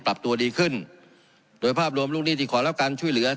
ปรับตัวดีขึ้นโดยภาพรวมลูกหนี้ที่ขอรับการช่วยเหลือ